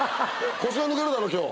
腰が抜けるだろ今日。